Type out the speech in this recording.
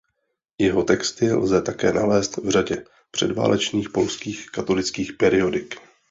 Jeho texty lze také nalézt v řadě předválečných polských katolických periodik.